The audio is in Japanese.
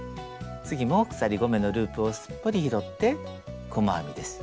次も鎖５目のループをすっぽり拾って細編みです。